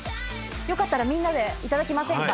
よかったらみんなでいただきませんか？